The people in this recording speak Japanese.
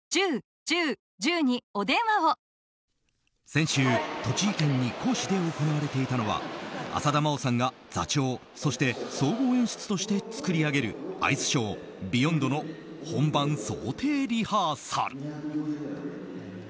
先週、栃木県日光市で行われていたのは浅田真央さんが座長そして、総合演出として作り上げるアイスショー「ＢＥＹＯＮＤ」の本番想定リハーサル。